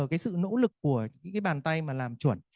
cái sự nỗ lực của những cái bàn tay mà làm chuẩn